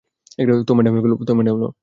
তো ম্যাডাম এলো।